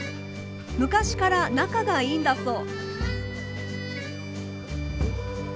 昔から仲がいいんだそう。